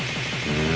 うん。